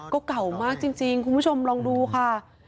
ก็เก่ามากจริงคุณผู้ชมลองดูค่ะ